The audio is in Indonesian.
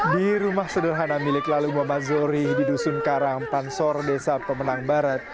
di rumah sederhana milik lalu muhammad zohri di dusun karang pansor desa pemenang barat